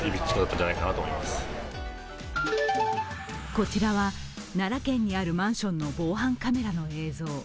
こちらは奈良県にあるマンションの防犯カメラの映像。